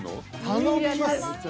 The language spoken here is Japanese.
頼みますよ。